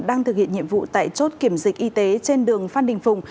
đang thực hiện nhiệm vụ tại chốt kiểm dịch y tế trên đường phan đình phùng